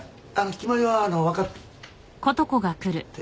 決まりは分かって。